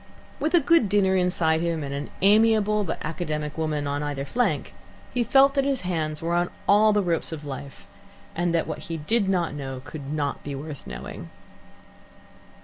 With a good dinner inside him and an amiable but academic woman on either flank, he felt that his hands were on all the ropes of life, and that what he did not know could not be worth knowing.